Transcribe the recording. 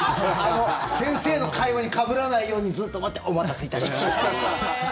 先生の会話にかぶらないようにずっと待ってお待たせいたしました。